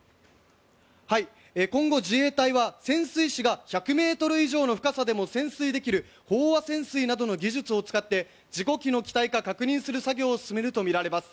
今後、自衛隊は潜水士が１００ｍ以上の深さでも潜水できる飽和潜水などの技術を使って事故機の機体か確認する作業を進めるとみられます。